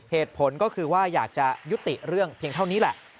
เหตุผลก็คือว่าอยากจะยุติเรื่องเพียงเท่านี้แหละ